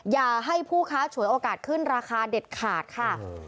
อย่าให้ผู้ค้าฉวยโอกาสขึ้นราคาเด็ดขาดค่ะ